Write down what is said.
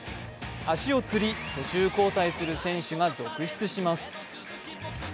足をつり、途中交代する選手が続出します。